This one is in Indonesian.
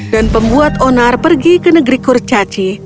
dan pembuat onar pergi ke negeri kurcaci